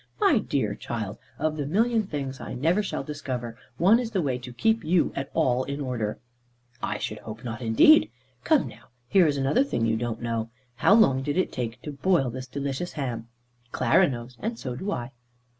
"My dear child, of the million things I never shall discover, one is the way to keep you at all in order." "I should hope not, indeed. Come now, here is another thing you don't know. How long did it take to boil this delicious ham? Clara knows, and so do I."